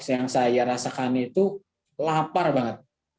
yang saya rasakan itu lapar banget